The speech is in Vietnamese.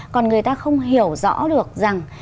còn người ta không hiểu rõ được rằng